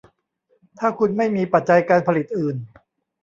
ถ้าคุณไม่มีปัจจัยการผลิตอื่น